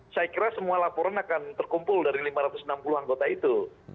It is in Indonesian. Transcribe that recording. saya kira semua laporan akan terkumpul dari lima ratus enam puluh anggota itu